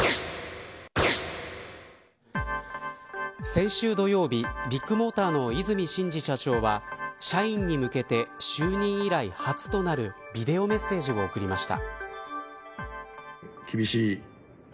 先週土曜日ビッグモーターの和泉伸二社長は社員に向けて就任以来初となるビデオメッセージを送りました。